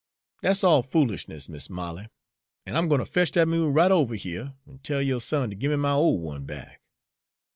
"Dat's all foolishness, Mis' Molly, an' I'm gwine ter fetch dat mule right over here an' tell yo' son ter gimme my ole one back."